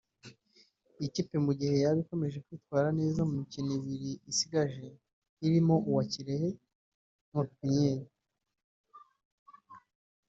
Iyi kipe mu gihe yaba ikomeje kwitwara neza ku mikino ibiri isigaje irimo uwa Kirehe na Pepiniere